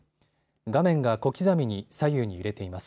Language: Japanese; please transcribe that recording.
画面が小刻みに左右に揺れています。